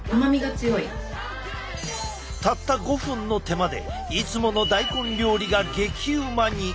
たった５分の手間でいつもの大根料理が激うまに！